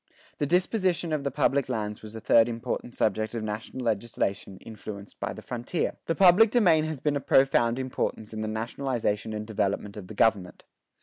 The disposition of the public lands was a third important subject of national legislation influenced by the frontier. The public domain has been a force of profound importance in the nationalization and development of the government.